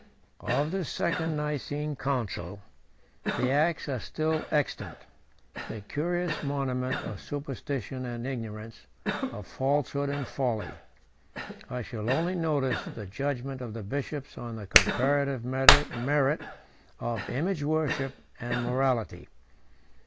Of this second Nicene council the acts are still extant; a curious monument of superstition and ignorance, of falsehood and folly. I shall only notice the judgment of the bishops on the comparative merit of image worship and morality.